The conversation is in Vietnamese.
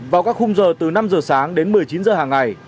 vào các khung giờ từ năm giờ sáng đến một mươi chín giờ hàng ngày